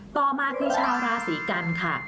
ต่อมาคือชาวราศีกันค่ะ